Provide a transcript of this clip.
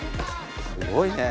すごいね。